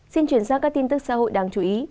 xin chuyển sang các tin tức xã hội đáng chú ý